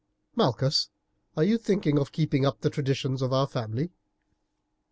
Malchus, are you thinking of keeping up the traditions of our family?